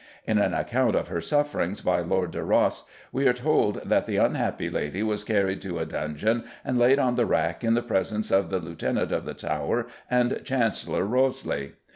In an account of her sufferings by Lord de Ros we are told that "the unhappy lady was carried to a dungeon and laid on the rack in the presence of the Lieutenant of the Tower and Chancellor Wriothesley.